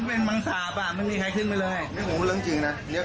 กู้ไพอ่ะมาค่ะประมาณ๒๐กว่านายอ่ะครับ